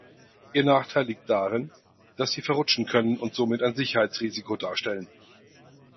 Ihr Nachteil liegt darin, dass sie verrutschen können und somit ein Sicherheitsrisiko darstellen.